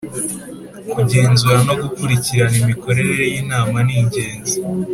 Kugenzura no gukurikirana imikorere y Inama ningenzi